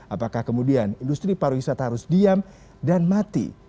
apakah kemudian industri pariwisata harus diam dan mati